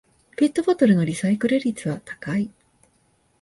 ペットボトルのリサイクル率は高い